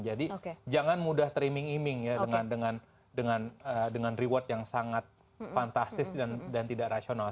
jadi jangan mudah teriming iming ya dengan reward yang sangat fantastis dan tidak rasional